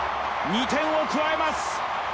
２点を加えます。